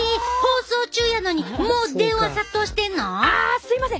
すいません